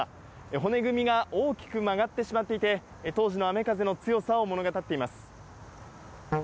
骨組みが大きく曲がってしまっていて、当時の雨風の強さを物語っています。